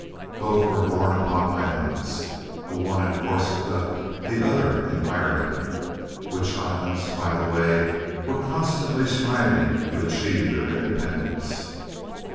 Both were born upon islands the one in Corsica, the other in Ireland which islands, by the way, were constantly striving to achieve their independence.